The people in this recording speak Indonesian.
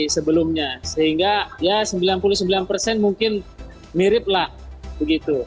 sebelumnya sehingga ya sembilan puluh sembilan persen mungkin mirip lah begitu